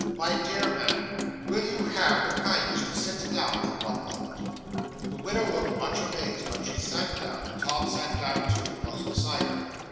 "My dear ma'am, will you have the kindness to sit down for one moment?" 'The widow looked much amazed, but she sat down, and Tom sat down too, close beside her.